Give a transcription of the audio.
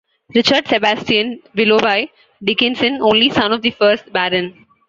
Richard Sebastian Willoughby Dickinson, only son of the first Baron.